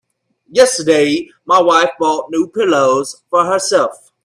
Yesterday my wife bought new pillows for herself.